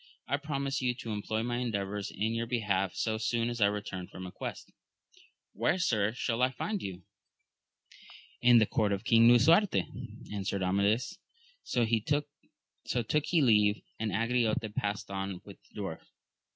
I promise you to employ my endeavours in your be half, so. soon as I return from a quest. — ^Where, sir, shall I find you ?— In the court of King Lisuarte, answered Amadis. So took he leave of Angriote and passed on with the dwarf.